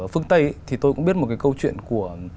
phương tây thì tôi cũng biết một cái câu chuyện của